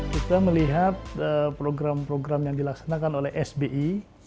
kita melihat program program yang dilaksanakan oleh sbi